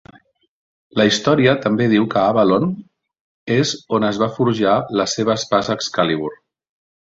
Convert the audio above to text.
La "Historia" també diu que Avalon és on es va forjar la seva espasa Excalibur.